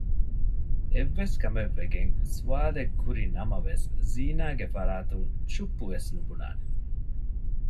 އެއްވެސް ކަމެއްވެގެން ސްވާލެއްކުރިނަމަވެސް ޒީނާގެ ފަރާތުން ޗުއްޕުވެސް ނުބުނާނެ